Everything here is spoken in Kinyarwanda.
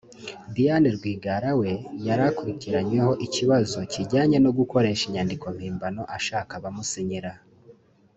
Diane Rwigara we yari akurikiranyweho ikibazo kijyanye no gukoresha inyandiko mpimbano ashaka abamusinyira